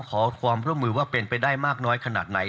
ขอความร่วมมือว่าเป็นไปได้มากน้อยขนาดไหน